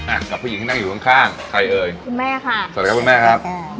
อ่ะกับผู้หญิงที่นั่งอยู่ข้างข้างใครเอ่ยคุณแม่ค่ะสวัสดีครับคุณแม่ครับอ่า